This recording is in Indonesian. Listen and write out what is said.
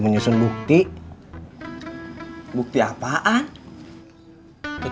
sekarang dukunnya lagi dikejar polisi